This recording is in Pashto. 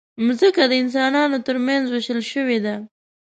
مځکه د انسانانو ترمنځ وېشل شوې ده.